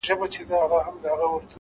هره تجربه د ژوند درس دی,